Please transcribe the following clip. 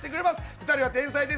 ２人は天才です。